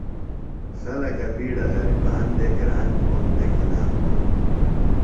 خلکہ بِیڈہ غرِیبان دےۡ۔ گران گھوم نہ گِھنا بھون دےۡ۔